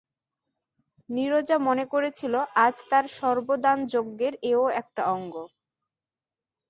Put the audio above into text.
নীরজা মনে করেছিল, আজ তার সর্বদানযঞ্চের এও একটা অঙ্গ।